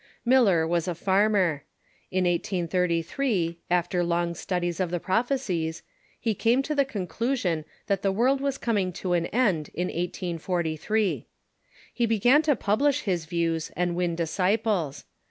Miller was a farmer. In 1833, after long studies of' the prophecies, he came to the conclusion that the world was coming to an end in 1843. He began to publish his views and win disciples.